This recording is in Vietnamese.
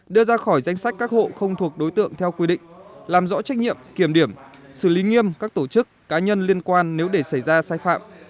đưa ra khỏi danh sách các hộ không thuộc đối tượng theo quy định làm rõ trách nhiệm kiểm điểm xử lý nghiêm các tổ chức cá nhân liên quan nếu để xảy ra sai phạm